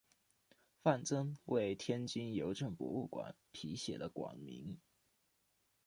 范曾为天津邮政博物馆题写了馆名。